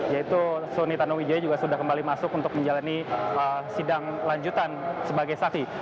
yaitu soni tanuwijaya juga sudah kembali masuk untuk menjalani sidang lanjutan sebagai saksi